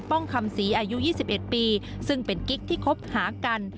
ป้องคำสีอายุยี่สิบเอ็ดปีซึ่งเป็นกิ๊กที่คบทหากัน